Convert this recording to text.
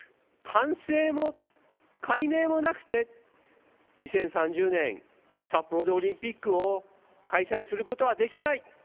反省も解明もなくて２０３０年札幌でオリンピックを開催することはできない。